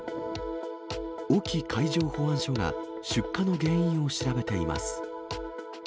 隠岐海上保安署が出火の原因を調べています。